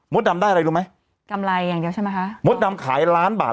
ดำได้อะไรรู้ไหมกำไรอย่างเดียวใช่ไหมคะมดดำขายล้านบาท